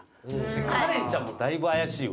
カレンちゃんもだいぶ怪しいわ。